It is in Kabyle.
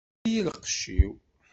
Tuker-iyi lqecc-iw!